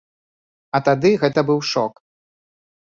А тады гэта быў шок.